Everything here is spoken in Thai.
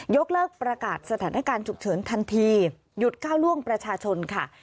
กเลิกประกาศสถานการณ์ฉุกเฉินทันทีหยุดก้าวล่วงประชาชนค่ะ